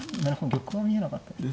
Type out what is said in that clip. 玉は見えなかったです。